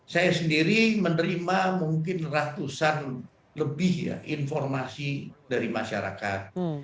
saya sendiri menerima mungkin ratusan lebih ya informasi dari masyarakat